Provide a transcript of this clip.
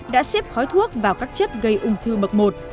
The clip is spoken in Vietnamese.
đã xếp khói thuốc vào các chất gây ung thư bậc một